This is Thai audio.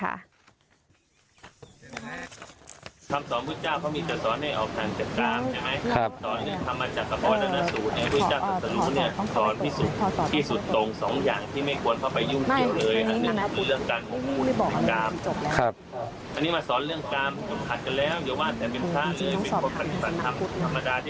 ถ้าอย่างนี้คือสำนักพุทธนะค่ะน่าจะต้องเข้าไปตรวจสอบดูแลแล้วนะคะ